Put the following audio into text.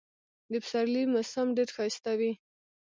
د پسرلي موسم ډېر ښایسته وي.